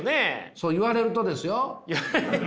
そう言われるとですよ？